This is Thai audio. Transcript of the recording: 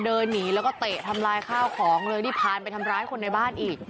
เดินหนีแล้วก็เตะทำลายข้าวของเลยนี่พานไปทำร้ายคนในบ้านอีก